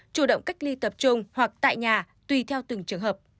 chủ động cách ly tập trung hoặc tại nhà tùy theo từng trường hợp